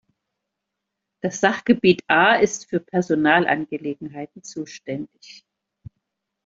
Das Sachgebiet A ist für Personalangelegenheiten zuständig.